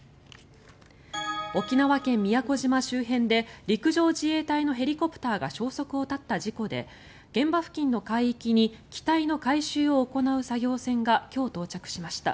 沖縄県・宮古島周辺で陸上自衛隊のヘリコプターが消息を絶った事故で現場付近の海域に機体の回収を行う作業船が今日、到着しました。